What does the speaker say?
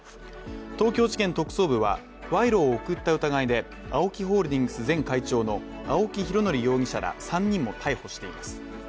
東京地検特捜部は賄賂を贈った疑いでＡＯＫＩホールディングス前会長の青木拡憲容疑者ら３人も逮捕しています。